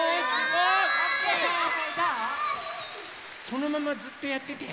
そのままずっとやってて。